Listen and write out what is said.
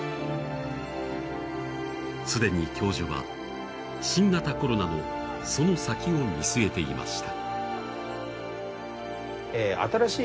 既に教授は、新型コロナのその先を見据えていました。